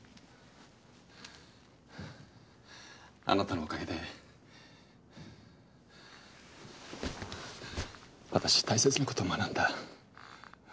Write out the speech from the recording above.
あなたのおかげで私大切な事学んだ。